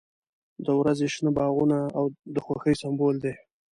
• د ورځې شنه باغونه د خوښۍ سمبول دی.